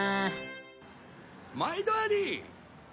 毎度あり。